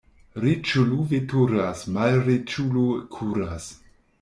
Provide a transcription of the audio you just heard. Riĉulo veturas, malriĉulo kuras.